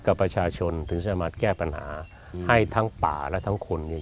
กับประชาชนถึงจะมาแก้ปัญหาให้ทั้งป่าและทั้งคนเนี่ย